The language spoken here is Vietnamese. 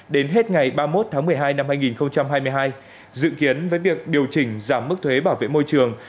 đến hết ngày ba mươi một tháng một mươi hai năm hai nghìn hai mươi hai dự kiến với việc điều chỉnh giảm mức thuế bảo vệ môi trường